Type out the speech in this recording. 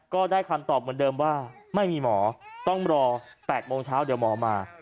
ก็ได้คำตอบเหมือนเดิมว่าไม่มีหมอต้องรอ๘โมงเช้าเดี๋ยวหมอมา